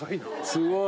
すごい！